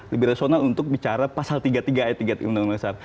lebih resona untuk bicara pasal tiga puluh tiga e tiga undang undang besar